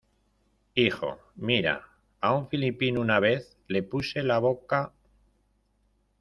hijo, mira , a un filipino una vez , le puse la boca...